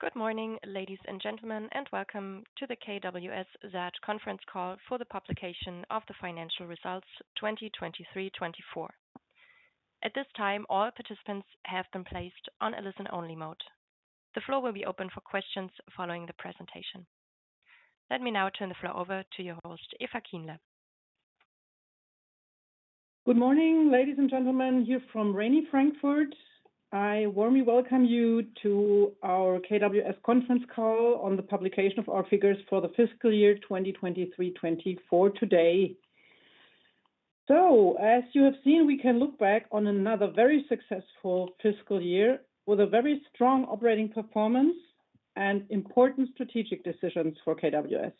Good morning, ladies and gentlemen, and welcome to the KWS SAAT conference call for the publication of the financial results 2023/2024. At this time, all participants have been placed on a listen-only mode. The floor will be open for questions following the presentation. Let me now turn the floor over to your host, Eva Kienle. Good morning, ladies and gentlemen, here from rainy Frankfurt. I warmly welcome you to our KWS conference call on the publication of our figures for the fiscal year 2023/2024 today. So as you have seen, we can look back on another very successful fiscal year with a very strong operating performance and important strategic decisions for KWS.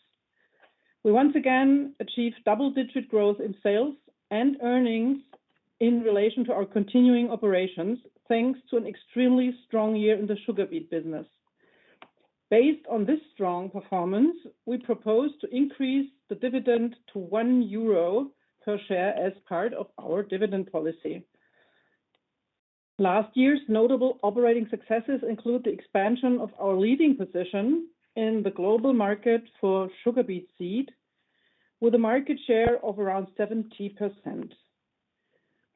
We once again achieved double-digit growth in sales and earnings in relation to our continuing operations, thanks to an extremely strong year in the sugar beet business. Based on this strong performance, we propose to increase the dividend to 1 euro per share as part of our dividend policy. Last year's notable operating successes include the expansion of our leading position in the global market for sugar beet seed, with a market share of around 70%.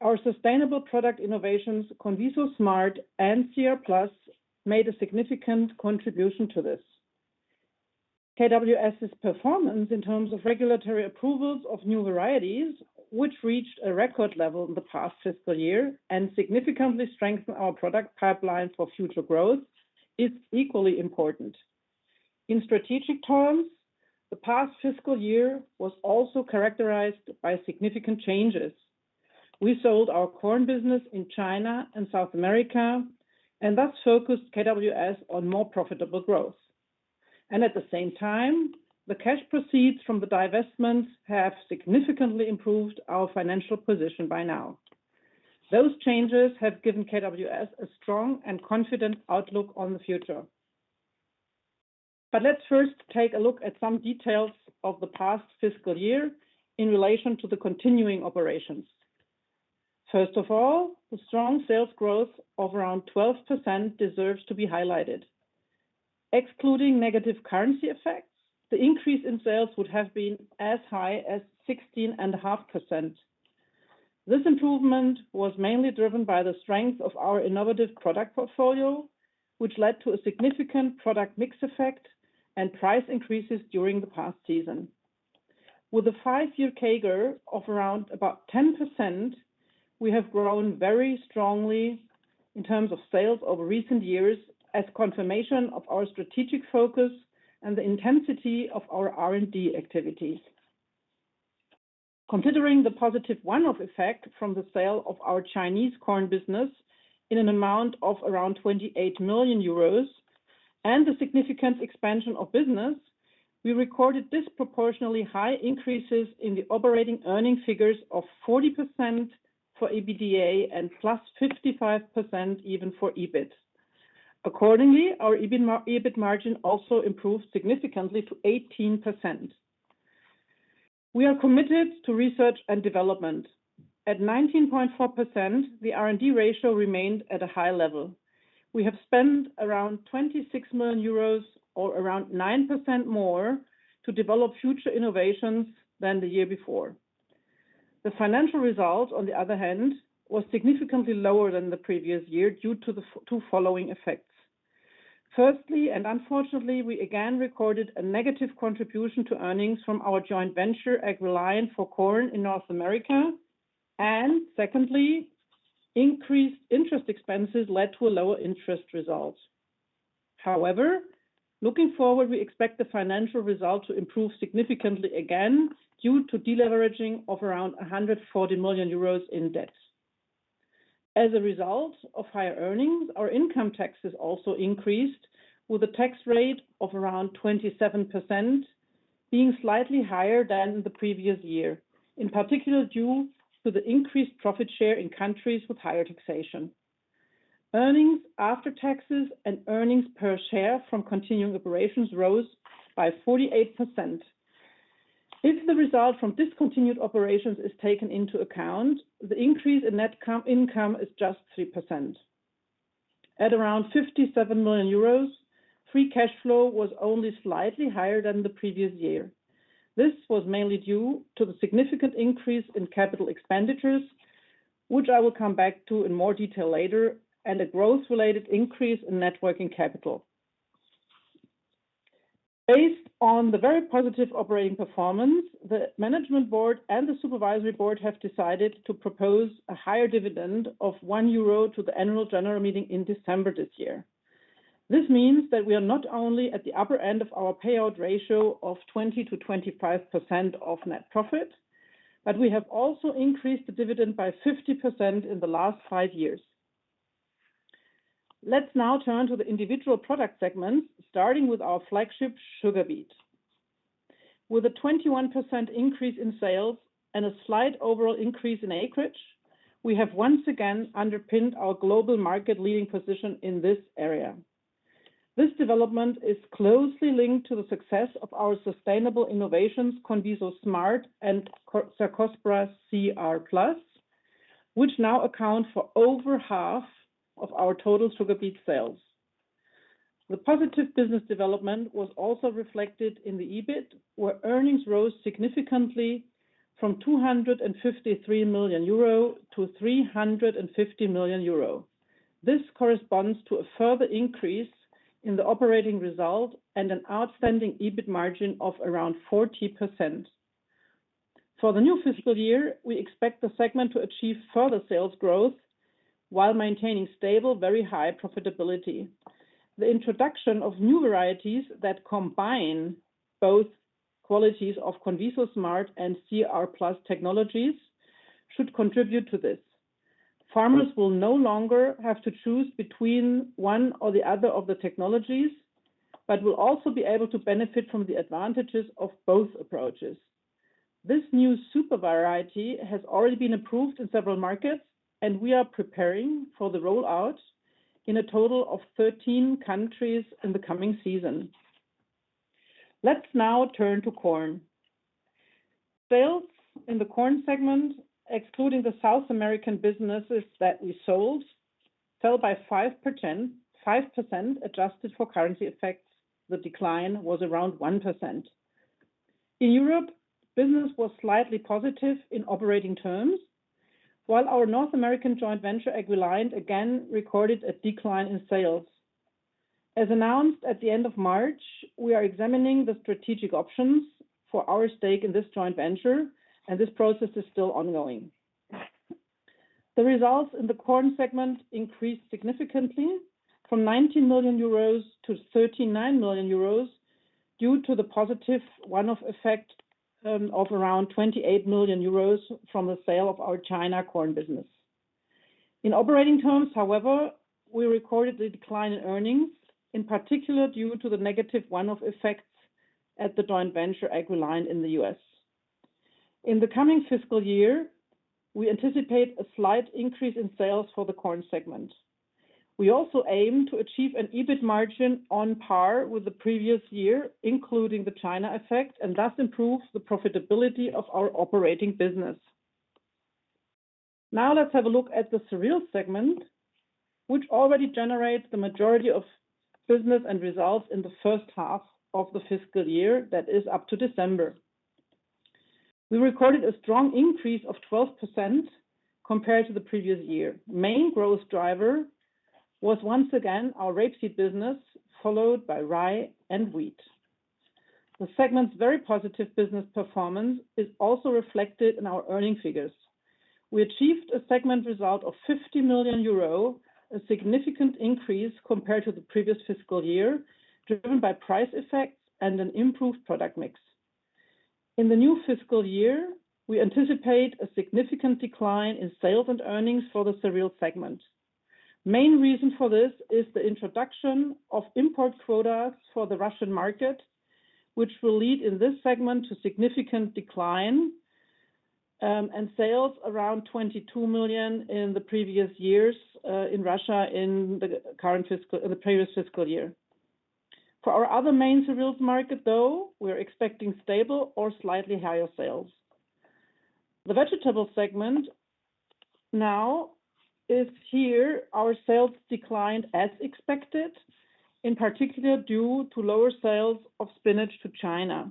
Our sustainable product innovations, CONVISO SMART and CR+, made a significant contribution to this. KWS's performance in terms of regulatory approvals of new varieties, which reached a record level in the past fiscal year and significantly strengthen our product pipeline for future growth, is equally important. In strategic terms, the past fiscal year was also characterized by significant changes. We sold our corn business in China and South America, and thus focused KWS on more profitable growth, and at the same time, the cash proceeds from the divestments have significantly improved our financial position by now. Those changes have given KWS a strong and confident outlook on the future, but let's first take a look at some details of the past fiscal year in relation to the continuing operations. First of all, the strong sales growth of around 12% deserves to be highlighted. Excluding negative currency effects, the increase in sales would have been as high as 16.5%. This improvement was mainly driven by the strength of our innovative product portfolio, which led to a significant product mix effect and price increases during the past season. With a five-year CAGR of around about 10%, we have grown very strongly in terms of sales over recent years as confirmation of our strategic focus and the intensity of our R&D activities. Considering the positive one-off effect from the sale of our Chinese corn business in an amount of around 28 million euros and the significant expansion of business, we recorded disproportionately high increases in the operating earnings figures of 40% for EBITDA and +55% even for EBIT. Accordingly, our EBIT margin also improved significantly to 18%. We are committed to research and development. At 19.4%, the R&D ratio remained at a high level. We have spent around 26 million euros or around 9% more to develop future innovations than the year before. The financial result, on the other hand, was significantly lower than the previous year, due to the two following effects: firstly, and unfortunately, we again recorded a negative contribution to earnings from our joint venture, AgReliant for corn in North America, and secondly, increased interest expenses led to a lower interest result. However, looking forward, we expect the financial result to improve significantly again, due to deleveraging of around 140 million euros in debt. As a result of higher earnings, our income taxes also increased, with a tax rate of around 27% being slightly higher than the previous year, in particular, due to the increased profit share in countries with higher taxation. Earnings after taxes and earnings per share from continuing operations rose by 48%. If the result from discontinued operations is taken into account, the increase in net income is just 3%. At around 57 million euros, free cash flow was only slightly higher than the previous year. This was mainly due to the significant increase in capital expenditures, which I will come back to in more detail later, and a growth-related increase in net working capital. Based on the very positive operating performance, the Management Board and the Supervisory Board have decided to propose a higher dividend of 1 euro to the Annual General Meeting in December this year. This means that we are not only at the upper end of our payout ratio of 20%-25% of net profit, but we have also increased the dividend by 50% in the last five years. Let's now turn to the individual product segments, starting with our flagship, sugar beet. With a 21% increase in sales and a slight overall increase in acreage, we have once again underpinned our global market leading position in this area. This development is closely linked to the success of our sustainable innovations, CONVISO SMART and Cercospora CR+, which now account for over half of our total sugar beet sales. The positive business development was also reflected in the EBIT, where earnings rose significantly from 253 million-350 million euro. This corresponds to a further increase in the operating result and an outstanding EBIT margin of around 40%. For the new fiscal year, we expect the segment to achieve further sales growth while maintaining stable, very high profitability. The introduction of new varieties that combine both qualities of CONVISO SMART and CR+ technologies should contribute to this. Farmers will no longer have to choose between one or the other of the technologies, but will also be able to benefit from the advantages of both approaches. This new super variety has already been approved in several markets, and we are preparing for the rollout in a total of thirteen countries in the coming season. Let's now turn to corn. Sales in the corn segment, excluding the South American businesses that we sold, fell by 5%, 5% adjusted for currency effects. The decline was around 1%. In Europe, business was slightly positive in operating terms, while our North American joint venture, AgReliant again, recorded a decline in sales. As announced at the end of March, we are examining the strategic options for our stake in this joint venture, and this process is still ongoing. The results in the corn segment increased significantly from 19 million-39 million euros due to the positive one-off effect, of around 28 million euros from the sale of our China corn business. In operating terms, however, we recorded a decline in earnings, in particular, due to the negative one-off effects at the joint venture, AgReliant in the U.S. In the coming fiscal year, we anticipate a slight increase in sales for the corn segment. We also aim to achieve an EBIT margin on par with the previous year, including the China effect, and thus improve the profitability of our operating business. Now let's have a look at the cereals segment, which already generates the majority of business and results in the first half of the fiscal year, that is, up to December. We recorded a strong increase of 12% compared to the previous year. Main growth driver was once again our rapeseed business, followed by rye and wheat. The segment's very positive business performance is also reflected in our earnings figures. We achieved a segment result of 50 million euro, a significant increase compared to the previous fiscal year, driven by price effects and an improved product mix. In the new fiscal year, we anticipate a significant decline in sales and earnings for the cereals segment. Main reason for this is the introduction of import quotas for the Russian market, which will lead in this segment to significant decline, and sales around 22 million in the previous years, in Russia, in the previous fiscal year. For our other main cereals market, though, we're expecting stable or slightly higher sales. The vegetable segment now is here. Our sales declined as expected, in particular, due to lower sales of spinach to China.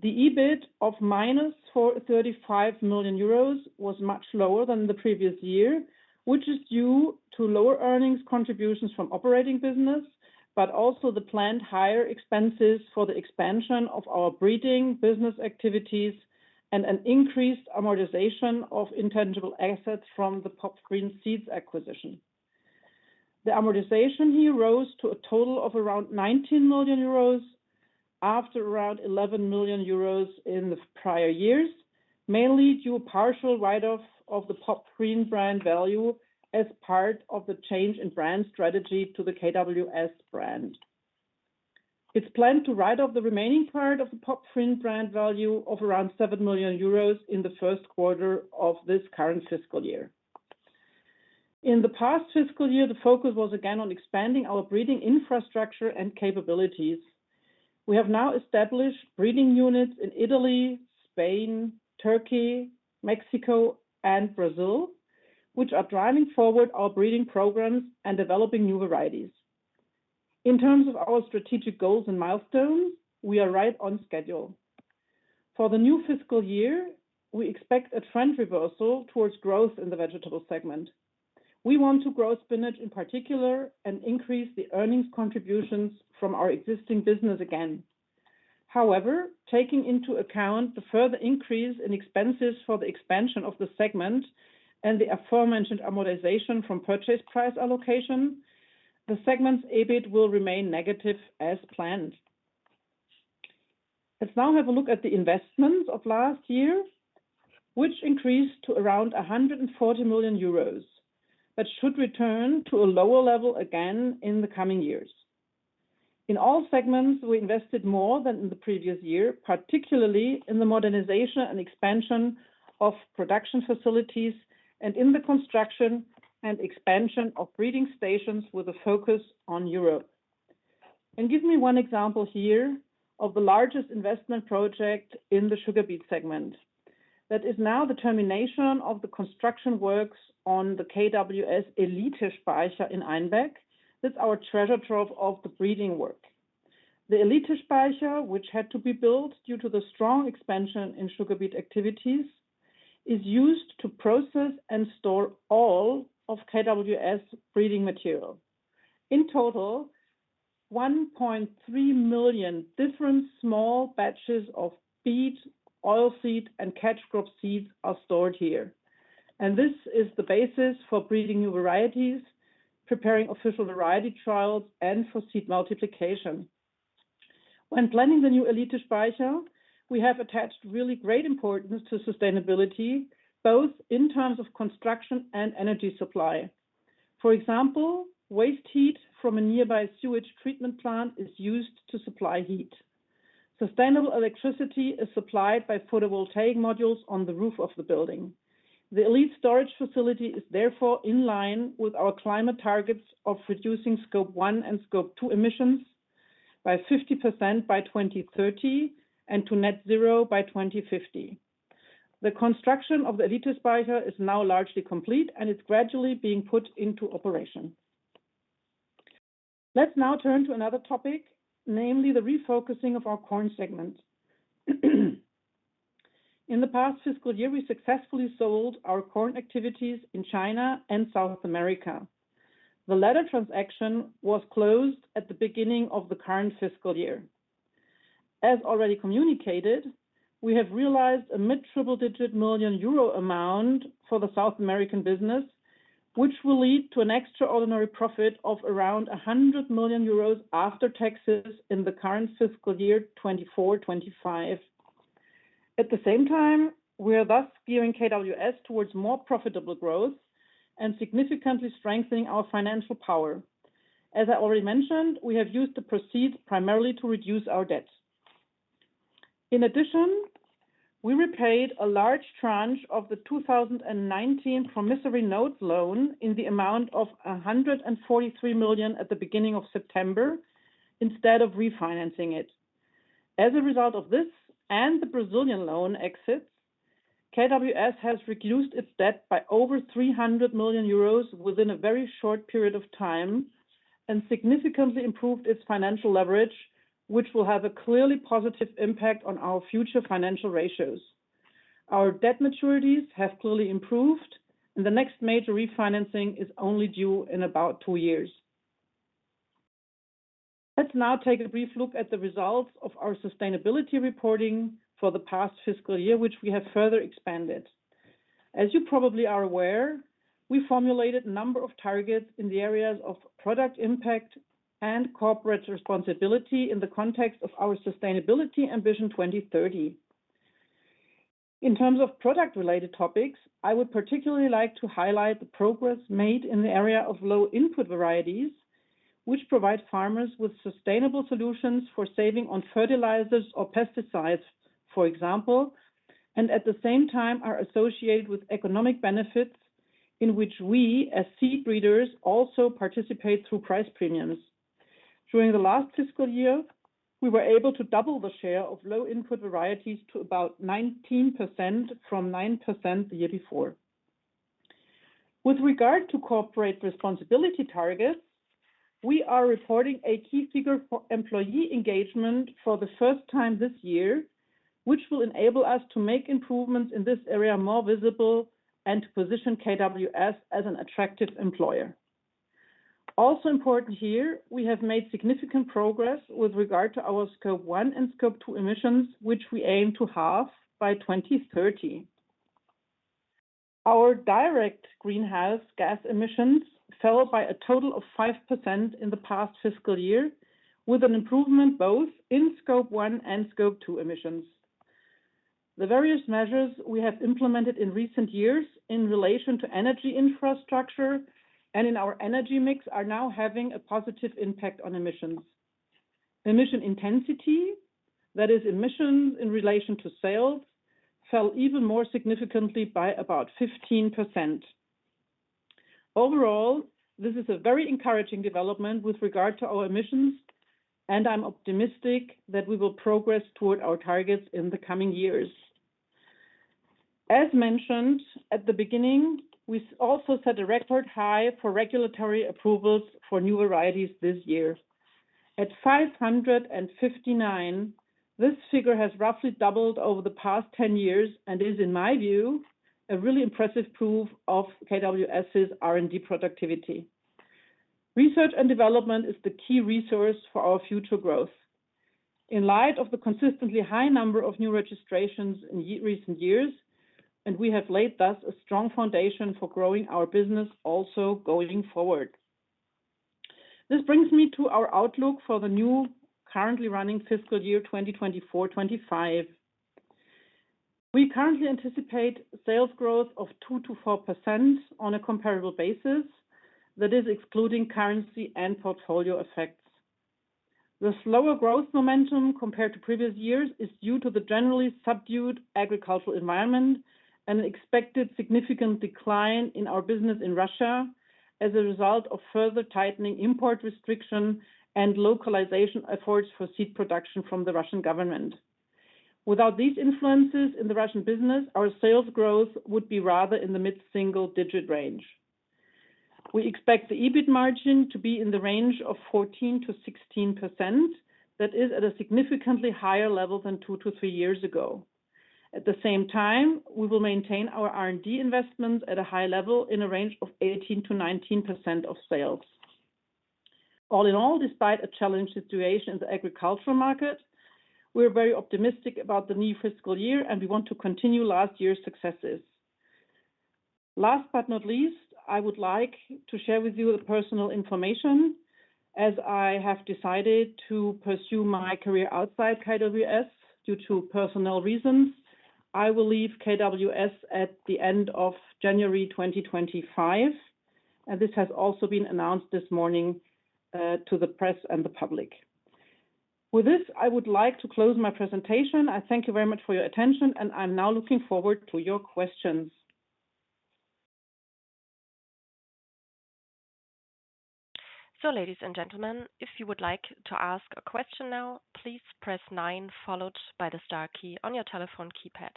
The EBIT of -435 million euros was much lower than the previous year, which is due to lower earnings contributions from operating business, but also the planned higher expenses for the expansion of our breeding business activities and an increased amortization of intangible assets from the Pop Vriend Seeds acquisition. The amortization here rose to a total of around 19 million euros, after around 11 million euros in the prior years, mainly due to a partial write-off of the Pop Vriend brand value as part of the change in brand strategy to the KWS brand. It's planned to write off the remaining part of the Pop Vriend brand value of around 7 million euros in the first quarter of this current fiscal year. In the past fiscal year, the focus was again on expanding our breeding infrastructure and capabilities. We have now established breeding units in Italy, Spain, Turkey, Mexico, and Brazil, which are driving forward our breeding programs and developing new varieties. In terms of our strategic goals and milestones, we are right on schedule. For the new fiscal year, we expect a trend reversal towards growth in the vegetable segment. We want to grow spinach, in particular, and increase the earnings contributions from our existing business again. However, taking into account the further increase in expenses for the expansion of the segment and the aforementioned amortization from purchase price allocation, the segment's EBIT will remain negative as planned. Let's now have a look at the investments of last year, which increased to around 140 million euros, but should return to a lower level again in the coming years. In all segments, we invested more than in the previous year, particularly in the modernization and expansion of production facilities and in the construction and expansion of breeding stations with a focus on Europe. Give me one example here of the largest investment project in the sugar beet segment. That is now the termination of the construction works on the KWS Elitespeicher in Einbeck. That's our treasure trove of the breeding work. The Elitespeicher, which had to be built due to the strong expansion in sugar beet activities, is used to process and store all of KWS breeding material. In total, 1.3 million different small batches of beet, oil seed, and catch crop seeds are stored here, and this is the basis for breeding new varieties, preparing official variety trials, and for seed multiplication. When planning the new Elitespeicher, we have attached really great importance to sustainability, both in terms of construction and energy supply. For example, waste heat from a nearby sewage treatment plant is used to supply heat. Sustainable electricity is supplied by photovoltaic modules on the roof of the building. The elite storage facility is therefore in line with our climate targets of reducing Scope 1 and Scope 2 emissions by 50% by 2030, and to net zero by 2050. The construction of the Elitespeicher is now largely complete, and is gradually being put into operation. Let's now turn to another topic, namely the refocusing of our corn segment. In the past fiscal year, we successfully sold our corn activities in China and South America. The latter transaction was closed at the beginning of the current fiscal year. As already communicated, we have realized a mid triple-digit million EUR amount for the South American business, which will lead to an extraordinary profit of around 100 million euros after taxes in the current fiscal year, 2024-2025. At the same time, we are thus gearing KWS towards more profitable growth and significantly strengthening our financial power. As I already mentioned, we have used the proceeds primarily to reduce our debt. In addition, we repaid a large tranche of the 2019 promissory note loan in the amount of 143 million at the beginning of September, instead of refinancing it. As a result of this and the Brazilian loan exits, KWS has reduced its debt by over 300 million euros within a very short period of time, and significantly improved its financial leverage, which will have a clearly positive impact on our future financial ratios. Our debt maturities have clearly improved, and the next major refinancing is only due in about two years. Let's now take a brief look at the results of our sustainability reporting for the past fiscal year, which we have further expanded. As you probably are aware, we formulated a number of targets in the areas of product impact and corporate responsibility in the context of our sustainability and Vision 2030. In terms of product-related topics, I would particularly like to highlight the progress made in the area of low input varieties, which provide farmers with sustainable solutions for saving on fertilizers or pesticides, for example, and at the same time, are associated with economic benefits in which we, as seed breeders, also participate through price premiums. During the last fiscal year, we were able to double the share of low input varieties to about 19% from 9% the year before. With regard to corporate responsibility targets, we are reporting a key figure for employee engagement for the first time this year, which will enable us to make improvements in this area more visible and to position KWS as an attractive employer. Also important here, we have made significant progress with regard to our Scope 1 and Scope 2 emissions, which we aim to halve by 2030. Our direct greenhouse gas emissions fell by a total of 5% in the past fiscal year, with an improvement both in Scope 1 and Scope 2 emissions. The various measures we have implemented in recent years in relation to energy infrastructure and in our energy mix, are now having a positive impact on emissions. Emission intensity, that is, emissions in relation to sales, fell even more significantly by about 15%. Overall, this is a very encouraging development with regard to our emissions, and I'm optimistic that we will progress toward our targets in the coming years. As mentioned at the beginning, we also set a record high for regulatory approvals for new varieties this year. At 559, this figure has roughly doubled over the past ten years and is, in my view, a really impressive proof of KWS's R&D productivity. Research and development is the key resource for our future growth. In light of the consistently high number of new registrations in recent years, and we have laid thus a strong foundation for growing our business also going forward. This brings me to our outlook for the new, currently running fiscal year, 2024/25. We currently anticipate sales growth of 2%-4% on a comparable basis, that is excluding currency and portfolio effects. The slower growth momentum compared to previous years is due to the generally subdued agricultural environment and an expected significant decline in our business in Russia as a result of further tightening import restriction and localization efforts for seed production from the Russian government. Without these influences in the Russian business, our sales growth would be rather in the mid-single digit range. We expect the EBIT margin to be in the range of 14%-16%. That is at a significantly higher level than two to three years ago. At the same time, we will maintain our R&D investments at a high level in a range of 18%-19% of sales. All in all, despite a challenged situation in the agricultural market, we're very optimistic about the new fiscal year, and we want to continue last year's successes. Last but not least, I would like to share with you a personal information, as I have decided to pursue my career outside KWS due to personal reasons. I will leave KWS at the end of January 2025, and this has also been announced this morning, to the press and the public. With this, I would like to close my presentation. I thank you very much for your attention, and I'm now looking forward to your questions. So, ladies and gentlemen, if you would like to ask a question now, please press nine, followed by the star key on your telephone keypad.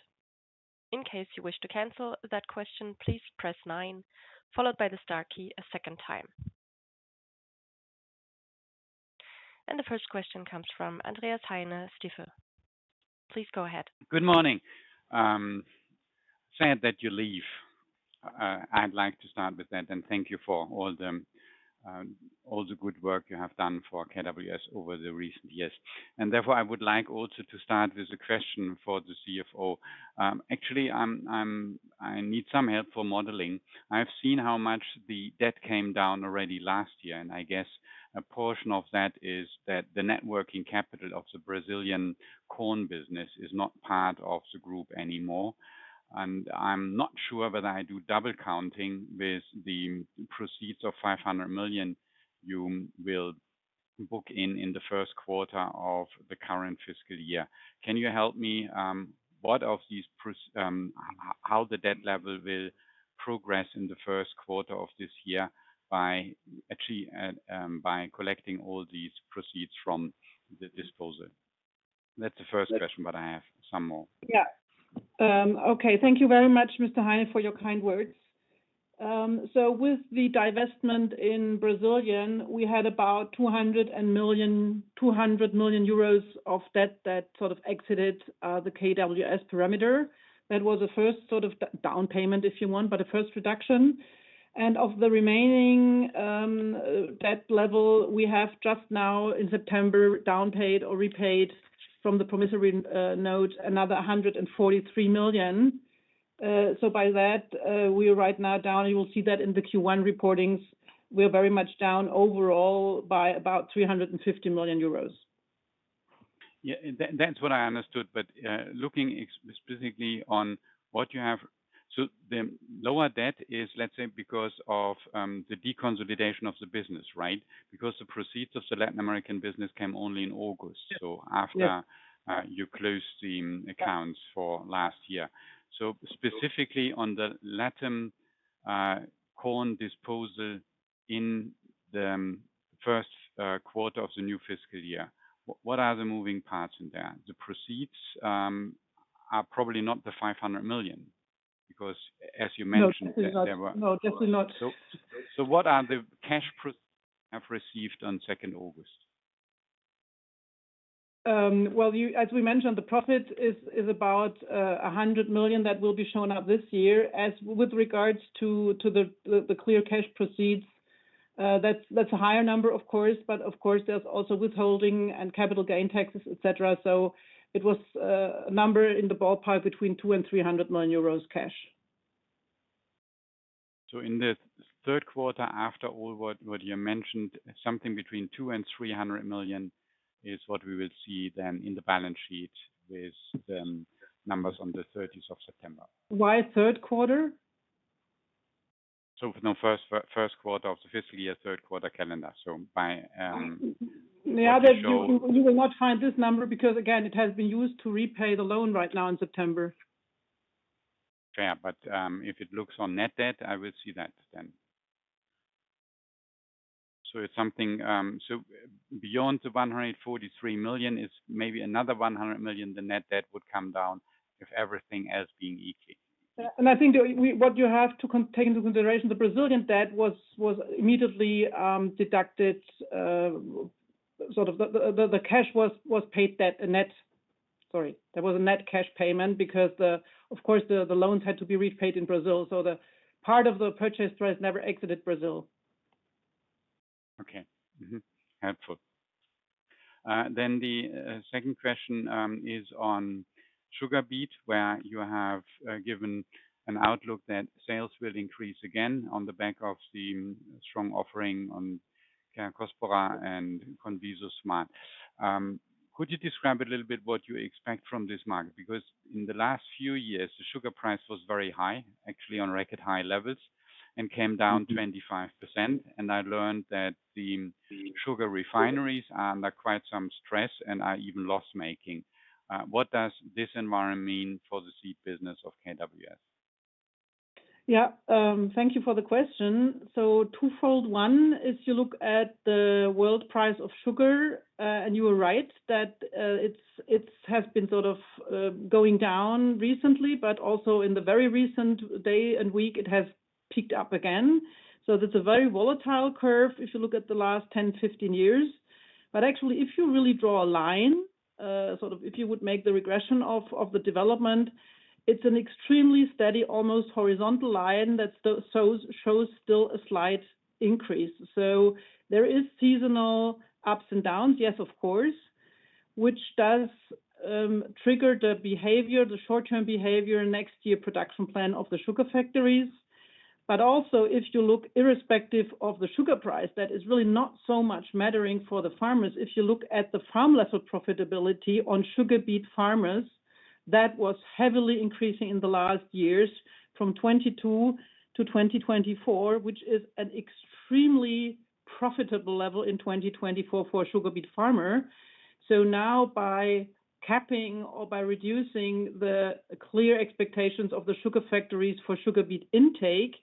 In case you wish to cancel that question, please press nine, followed by the star key a second time. And the first question comes from Andreas Heine, Stifel. Please go ahead. Good morning. Sad that you leave. I'd like to start with that, and thank you for all the good work you have done for KWS over the recent years. Therefore, I would like also to start with a question for the CFO. Actually, I need some help for modeling. I've seen how much the debt came down already last year, and I guess a portion of that is that the net working capital of the Brazilian corn business is not part of the group anymore. I'm not sure whether I do double counting with the proceeds of 500 million you will book in the first quarter of the current fiscal year. Can you help me, what of these pros... How the debt level will progress in the first quarter of this year by actually collecting all these proceeds from the disposal? That's the first question, but I have some more. Yeah. Okay. Thank you very much, Mr. Heine, for your kind words. So with the divestment in Brazil, we had about 200 million of debt that sort of exited the KWS perimeter. That was the first sort of down payment, if you want, but the first reduction. And of the remaining debt level, we have just now, in September, down paid or repaid from the promissory note another 143 million. So by that, we are right now down. You will see that in the Q1 reportings. We're very much down overall by about 350 million euros. Yeah, and that, that's what I understood. But, looking specifically on what you have... So the lower debt is, let's say, because of, the deconsolidation of the business, right? Because the proceeds of the Latin American business came only in August- Yeah. So after you closed the accounts for last year. So specifically on the Latin American corn disposal in the first quarter of the new fiscal year, what are the moving parts in there? The proceeds are probably not the 500 million, because as you mentioned- No, definitely not. -there were- No, definitely not. So, what are the cash proceeds have received on second August? Well, you as we mentioned, the profit is about 100 million that will be shown up this year. As with regards to the clear cash proceeds, that's a higher number, of course, but of course, there's also withholding and capital gain taxes, et cetera. So it was a number in the ballpark between 200 million and 300 million euros cash. So in the third quarter, after all, what you mentioned, something between 200 million and 300 million is what we will see then in the balance sheet with the numbers on the thirteenth of September? Why third quarter? So no, first quarter of the fiscal year, third quarter calendar. So by what you show- Yeah, but you, you will not find this number because, again, it has been used to repay the loan right now in September. Yeah, but, if it looks on net debt, I will see that then. So it's something... So beyond the 143 million is maybe another 100 million, the net debt would come down if everything else being equal. Yeah, and I think that what you have to take into consideration, the Brazilian debt was immediately deducted, sort of. The cash was paid debt, a net. Sorry. There was a net cash payment because, of course, the loans had to be repaid in Brazil, so the part of the purchase price never exited Brazil. Okay. Helpful. Then the second question is on sugar beet, where you have given an outlook that sales will increase again on the back of the strong offering on Cercospora and CONVISO SMART. Could you describe a little bit what you expect from this market? Because in the last few years, the sugar price was very high, actually on record high levels, and came down 25%. And I learned that the sugar refineries are under quite some stress and are even loss-making. What does this environment mean for the seed business of KWS? Yeah, thank you for the question. So twofold. One, if you look at the world price of sugar, and you are right, that, it's has been sort of going down recently, but also in the very recent day and week, it has picked up again. So that's a very volatile curve if you look at the last 10, 15 years. But actually, if you really draw a line, sort of if you would make the regression of the development, it's an extremely steady, almost horizontal line that shows still a slight increase. So there is seasonal ups and downs, yes, of course, which does trigger the behavior, the short-term behavior, next year production plan of the sugar factories. But also, if you look irrespective of the sugar price, that is really not so much mattering for the farmers. If you look at the farm level profitability on sugar beet farmers, that was heavily increasing in the last years, from 2022 to 2024, which is an extremely profitable level in 2024 for sugar beet farmer, so now by capping or by reducing the clear expectations of the sugar factories for sugar beet intake,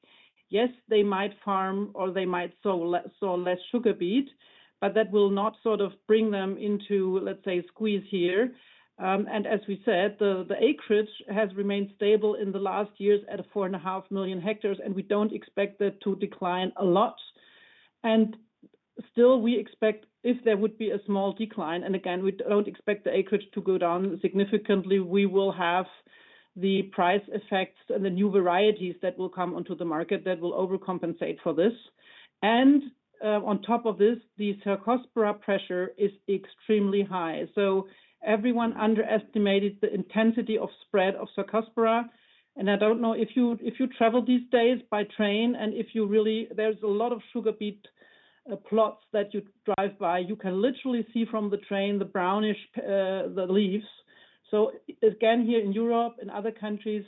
yes, they might farm or they might sow less sugar beet, but that will not sort of bring them into, let's say, a squeeze here, and as we said, the acreage has remained stable in the last years at 4.5 million hectares, and we don't expect that to decline a lot. Still, we expect if there would be a small decline, and again, we don't expect the acreage to go down significantly. We will have the price effects and the new varieties that will come onto the market that will overcompensate for this. And, on top of this, the Cercospora pressure is extremely high. So everyone underestimated the intensity of spread of Cercospora. And I don't know if you travel these days by train and if you really... There's a lot of sugar beet plots that you drive by. You can literally see from the train, the brownish leaves. So again, here in Europe and other countries,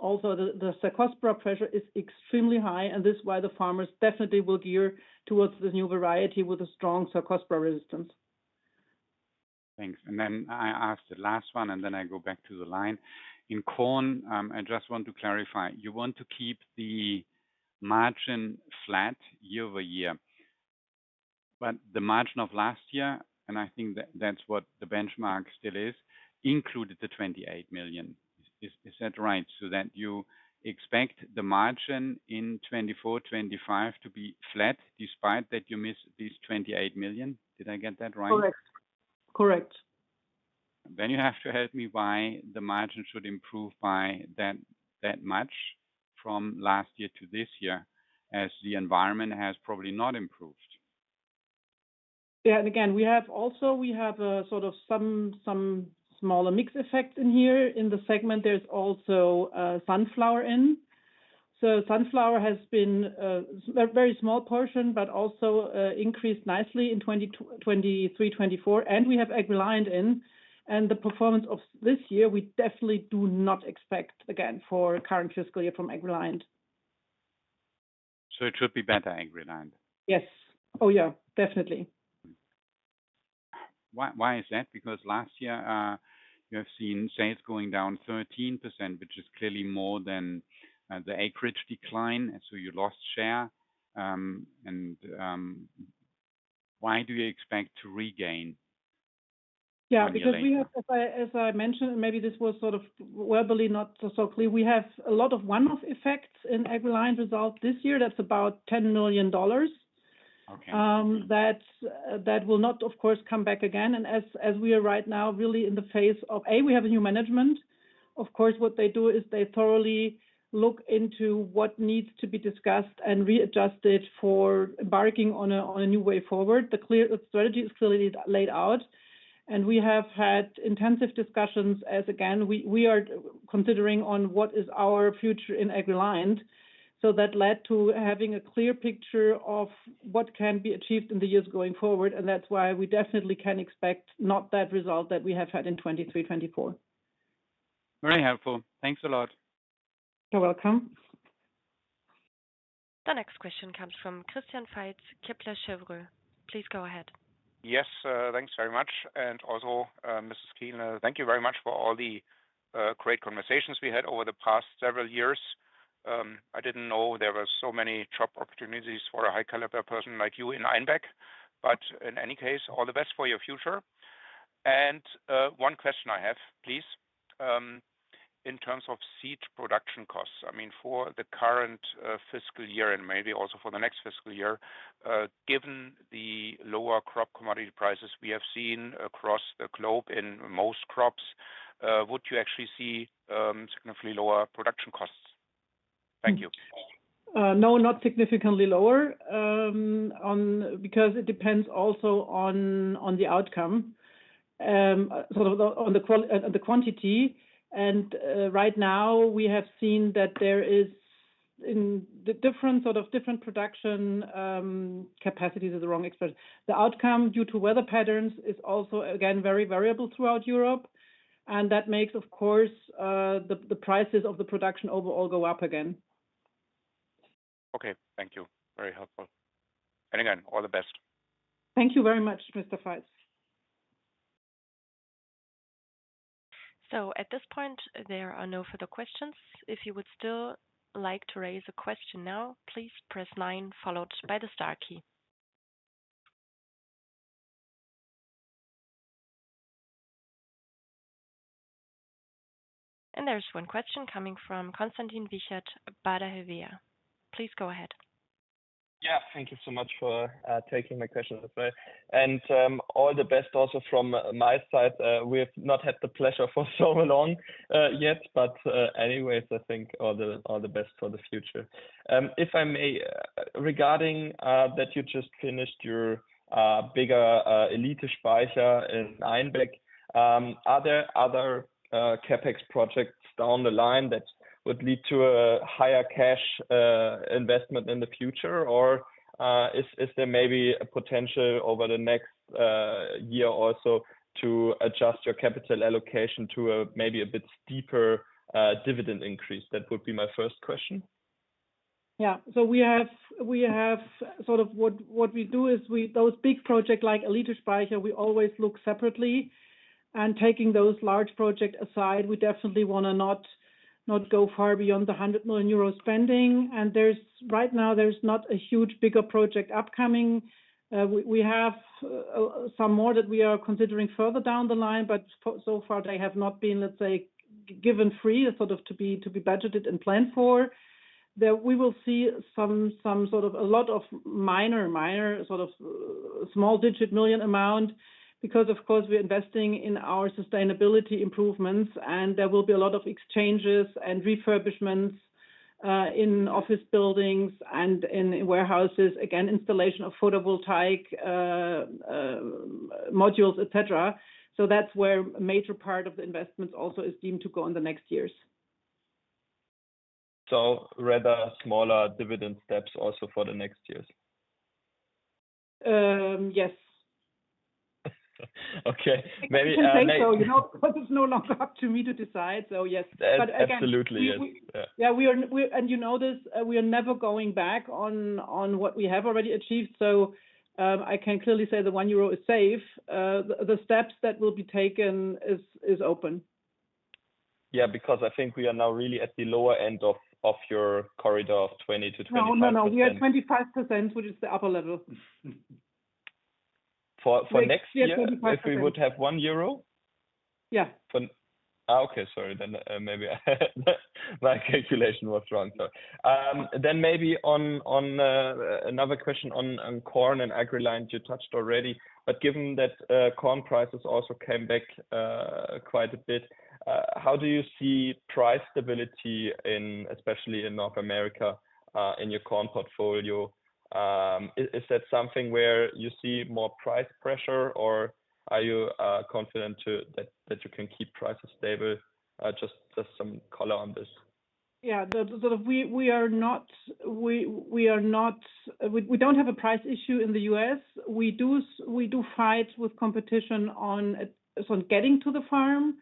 also, the Cercospora pressure is extremely high, and this is why the farmers definitely will gear towards the new variety with a strong Cercospora resistance. Thanks. And then I ask the last one, and then I go back to the line. In corn, I just want to clarify, you want to keep the margin flat year-over-year. But the margin of last year, and I think that that's what the benchmark still is, included the 28 million. Is, is that right? So then you expect the margin in 2024, 2025 to be flat despite that you missed these 28 million? Did I get that right? Correct. Correct. Then you have to help me why the margin should improve by that, that much from last year to this year, as the environment has probably not improved. Yeah, and again, we have also we have a sort of some smaller mix effect in here. In the segment, there's also sunflower in. So sunflower has been a very small portion, but also increased nicely in 2023/2024, and we have AgReliant in. And the performance of this year, we definitely do not expect again for current fiscal year from AgReliant. So it should be better, AgReliant? Yes. Oh, yeah, definitely. Why, why is that? Because last year, you have seen sales going down 13%, which is clearly more than the acreage decline, and so you lost share. And, why do you expect to regain? Yeah-- Why do you think? ...because we have, as I mentioned, maybe this was sort of verbally not so clear. We have a lot of one-off effects inAgReliant's result this year. That's about $10 million. Okay. That will not, of course, come back again. And as we are right now, really in the phase of, we have a new management. Of course, what they do is they thoroughly look into what needs to be discussed and readjusted for embarking on a new way forward. The clear strategy is clearly laid out, and we have had intensive discussions, we are considering on what is our future in AgReliant. So that led to having a clear picture of what can be achieved in the years going forward, and that's why we definitely can expect not that result that we have had in 2023/2024. Very helpful. Thanks a lot. You're welcome. The next question comes from Christian Faitz, Kepler Cheuvreux. Please go ahead. Yes, thanks very much. And also, Mrs. Kienle, thank you very much for all the great conversations we had over the past several years. I didn't know there were so many job opportunities for a high-caliber person like you in Einbeck. But in any case, all the best for your future. And, one question I have, please, in terms of seed production costs, I mean, for the current fiscal year and maybe also for the next fiscal year, given the lower crop commodity prices we have seen across the globe in most crops, would you actually see significantly lower production costs? Thank you. No, not significantly lower. Because it depends also on the outcome, so on the quantity. Right now, we have seen that there is in the different, sort of, different production capacities is the wrong expression. The outcome due to weather patterns is also, again, very variable throughout Europe, and that makes, of course, the prices of the production overall go up again. Okay. Thank you. Very helpful. And again, all the best. Thank you very much, Mr. Faitz. So at this point, there are no further questions. If you would still like to raise a question now, please press nine, followed by the star key. And there's one question coming from Konstantin Wiechert, Baader Helvea. Please go ahead. Yeah, thank you so much for taking my question as well. And, all the best also from my side. We have not had the pleasure for so long, yet, but, anyways, I think all the best for the future. If I may, regarding that you just finished your bigger Elitespeicher in Einbeck, are there other CapEx projects down the line that would lead to a higher cash investment in the future? Or, is there maybe a potential over the next year or so to adjust your capital allocation to a maybe a bit steeper dividend increase? That would be my first question. Yeah. So we have sort of what we do is we those big projects like Elitespeicher we always look separately, and taking those large projects aside, we definitely want to not go far beyond the 100 million euro spending. And right now there's not a huge bigger project upcoming. We have some more that we are considering further down the line, but so far they have not been, let's say, given free, sort of, to be budgeted and planned for. We will see some sort of a lot of minor sort of small digit million amount, because of course we're investing in our sustainability improvements, and there will be a lot of exchanges and refurbishments in office buildings and in warehouses. Again, installation of photovoltaic modules, et cetera. So that's where a major part of the investments also is deemed to go in the next years. So rather smaller dividend steps also for the next years? Yes. Okay, maybe- I can say so, you know, because it's no longer up to me to decide, so yes. Absolutely, yes. But again, Yeah, we are, and you know this, we are never going back on what we have already achieved. So, I can clearly say the 1 euro is safe. The steps that will be taken is open. Yeah, because I think we are now really at the lower end of, of your corridor of 20%-25%. No, no, no, we are at 25%, which is the upper level. For next year- Yes, 2025. If we would have 1 euro? Yeah. Ah, okay, sorry, then maybe my calculation was wrong. So, then maybe on another question on corn and AgReliant you touched already, but given that, corn prices also came back quite a bit, how do you see price stability, especially in North America, in your corn portfolio? Is that something where you see more price pressure, or are you confident that you can keep prices stable? Just some color on this. Yeah, sort of, we are not-- we don't have a price issue in the U.S. We do fight with competition on, so on getting to the farm,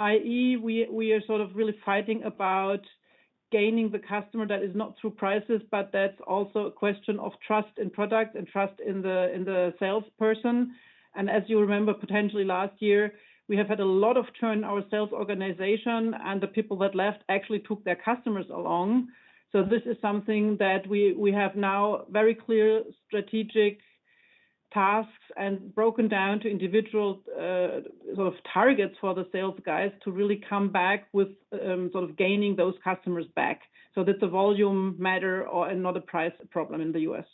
i.e., we are sort of really fighting about gaining the customer that is not through prices, but that's also a question of trust in product and trust in the, in the salesperson. And as you remember, potentially last year, we have had a lot of turnover in our sales organization, and the people that left actually took their customers along. So this is something that we have now very clear strategic tasks and broken down to individual, sort of targets for the sales guys to really come back with, sort of gaining those customers back. So that's a volume matter or, and not a price problem in the U.S.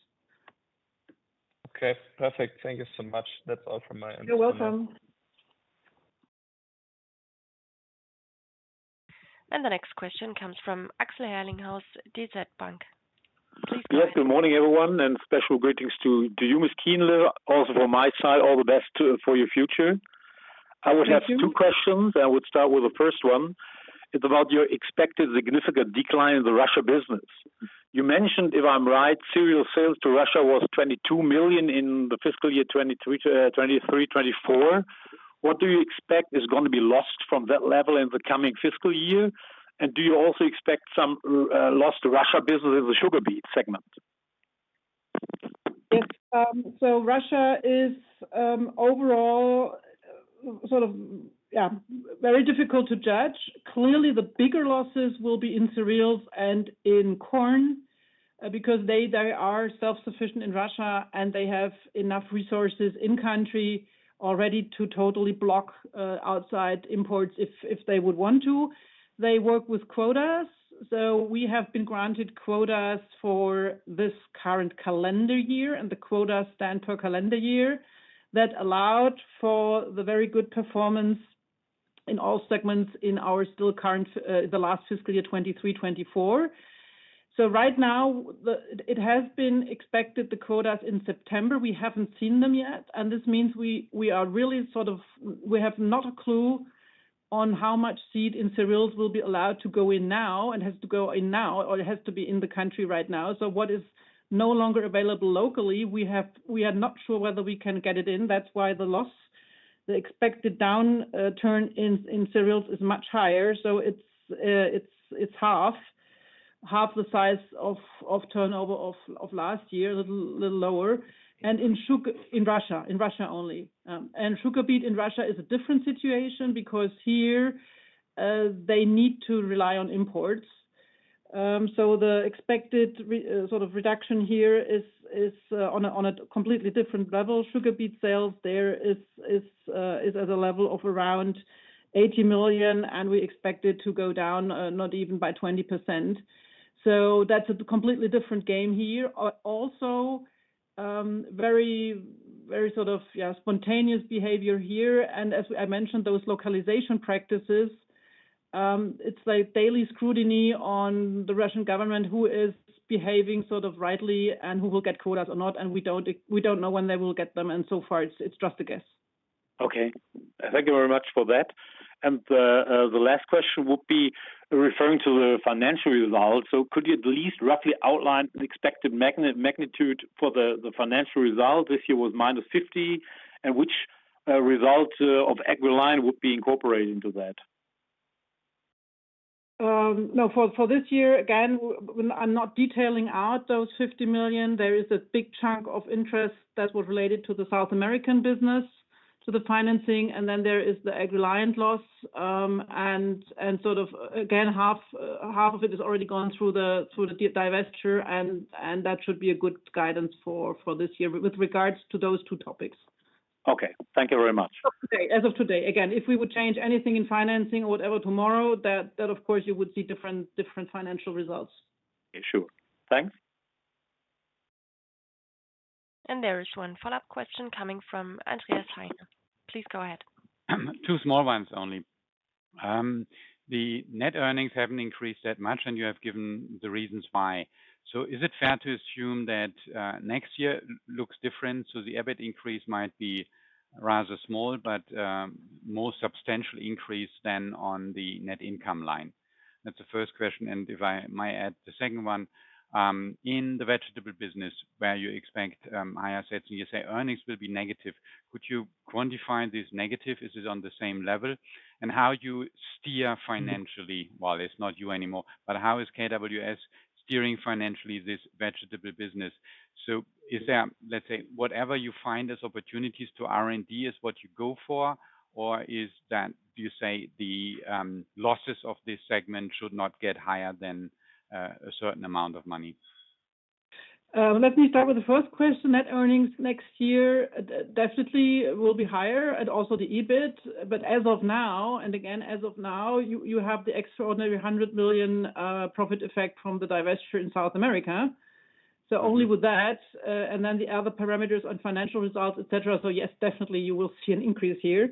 Okay, perfect. Thank you so much. That's all from my end. You're welcome. The next question comes from Axel Herlinghaus, DZ Bank. Yes, good morning, everyone, and special greetings to you, Ms. Kienle. Also from my side, all the best for your future. Thank you. I would have two questions. I would start with the first one. It's about your expected significant decline in the Russia business. You mentioned, if I'm right, cereals sales to Russia was 22 million in the fiscal year 2023, 2023/2024. What do you expect is going to be lost from that level in the coming fiscal year? And do you also expect some lost Russia business in the sugar beet segment? Yes. So Russia is overall sort of, yeah, very difficult to judge. Clearly, the bigger losses will be in cereals and in corn because they are self-sufficient in Russia, and they have enough resources in the country already to totally block outside imports if they would want to. They work with quotas, so we have been granted quotas for this current calendar year, and the quotas stand per calendar year. That allowed for the very good performance in all segments in our still current, the last fiscal year, 2023-2024. So right now, the... It has been expected, the quotas in September. We haven't seen them yet, and this means we are really sort of. We have not a clue on how much seed in cereals will be allowed to go in now, and has to go in now, or it has to be in the country right now. So what is no longer available locally. We are not sure whether we can get it in. That's why the loss, the expected downturn in cereals is much higher, so it's half the size of turnover of last year, a little lower, and in sugar beet in Russia only. Sugar beet in Russia is a different situation because here, they need to rely on imports. So the expected sort of reduction here is on a completely different level. Sugar beet sales there is at a level of around 80 million, and we expect it to go down not even by 20%. So that's a completely different game here. Also, very, very sort of, yeah, spontaneous behavior here, and as I mentioned, those localization practices, it's like daily scrutiny on the Russian government, who is behaving sort of rightly and who will get quotas or not, and we don't know when they will get them, and so far, it's just a guess. Okay. Thank you very much for that. And the last question would be referring to the financial result. So could you at least roughly outline the expected magnitude for the financial result? This year was minus fifty, and which result of AgReliant would be incorporated into that? No, for this year, again, I'm not detailing out those 50 million. There is a big chunk of interest that was related to the South American business, to the financing, and then there is the AgReliant loss. And sort of, again, half of it has already gone through the divestiture, and that should be a good guidance for this year with regards to those two topics. Okay. Thank you very much. As of today. Again, if we would change anything in financing or whatever tomorrow, that of course you would see different financial results. Sure. Thanks. There is one follow-up question coming from Andreas Heine. Please go ahead. Two small ones only. The net earnings haven't increased that much, and you have given the reasons why. So is it fair to assume that next year looks different, so the EBIT increase might be rather small, but more substantial increase than on the net income line? That's the first question, and if I might add the second one, in the vegetable business, where you expect higher assets, and you say earnings will be negative, could you quantify this negative? Is it on the same level? And how you steer financially, well, it's not you anymore, but how is KWS steering financially this vegetable business? So is there, let's say, whatever you find as opportunities to R&D is what you go for, or is that you say the losses of this segment should not get higher than a certain amount of money? Let me start with the first question. Net earnings next year definitely will be higher and also the EBIT. But as of now, and again, as of now, you have the extraordinary 100 million profit effect from the divestiture in South America. So only with that, and then the other parameters on financial results, etc., so yes, definitely you will see an increase here.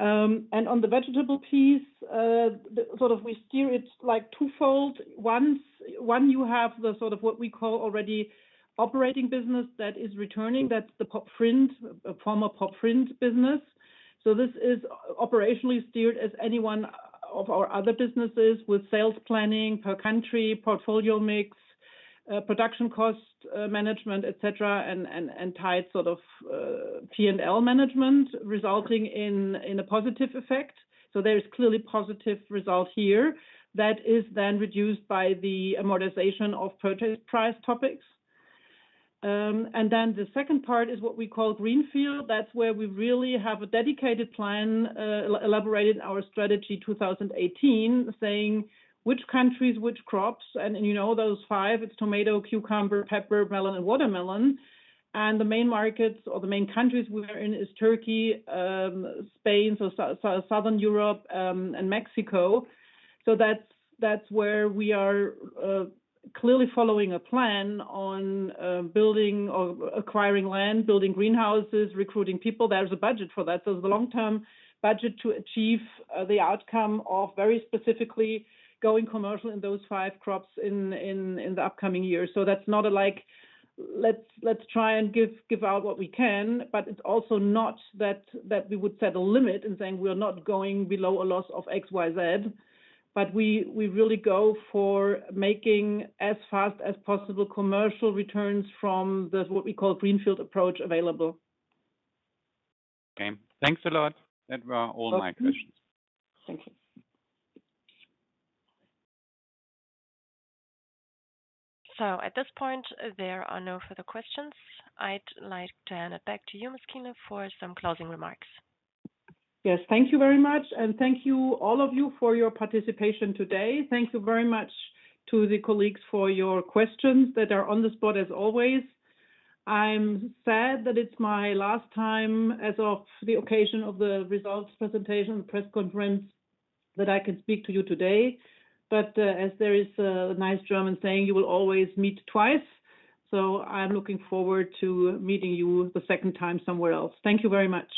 And on the vegetable piece, the sort of we steer it like twofold. One, you have the sort of what we call already operating business that is returning. That's the Pop Vriend, former Pop Vriend business. So this is operationally steered as any one of our other businesses with sales planning per country, portfolio mix, production cost management, etc., and tight sort of P&L management, resulting in a positive effect. So there is clearly positive result here. That is then reduced by the amortization of purchase price topics. And then the second part is what we call greenfield. That's where we really have a dedicated plan, elaborated our strategy 2018, saying which countries, which crops, and you know those five. It's tomato, cucumber, pepper, melon, and watermelon. And the main markets or the main countries we are in is Turkey, Spain, so Southern Europe, and Mexico. So that's, that's where we are, clearly following a plan on, building or acquiring land, building greenhouses, recruiting people. There's a budget for that. So it's a long-term budget to achieve, the outcome of very specifically going commercial in those five crops in the upcoming years. That's not like let's try and give out what we can, but it's also not that we would set a limit and saying, "We are not going below a loss of XYZ," but we really go for making as fast as possible commercial returns from what we call the greenfield approach available. Okay. Thanks a lot. That were all my questions. Thank you. So at this point, there are no further questions. I'd like to hand it back to you, Ms. Kienle, for some closing remarks. Yes, thank you very much, and thank you, all of you, for your participation today. Thank you very much to the colleagues for your questions that are on the spot, as always. I'm sad that it's my last time as of the occasion of the results presentation, press conference, that I can speak to you today. But, as there is a nice German saying, "You will always meet twice." So I'm looking forward to meeting you the second time somewhere else. Thank you very much.